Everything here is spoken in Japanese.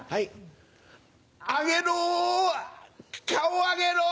上げろ顔上げろ。